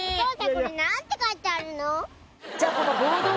これ何て書いてあるの？